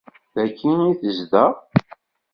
Dagi i tezdeɣ.